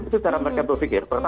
itu cara mereka berpikir